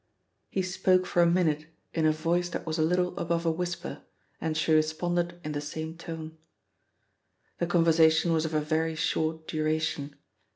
He spoke for a minute in a voice that was a little above a whisper, and she responded in the same tone. The conversation was of very short duration.